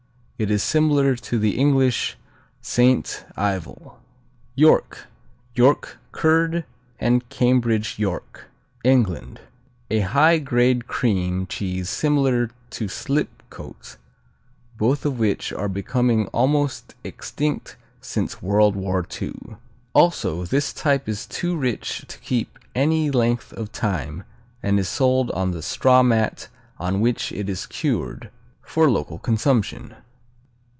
It is similar to the English Saint Ivel. York, York Curd and Cambridge York England A high grade cream cheese similar to Slipcote, both of which are becoming almost extinct since World War II. Also, this type is too rich to keep any length of time and is sold on the straw mat on which it is cured, for local consumption.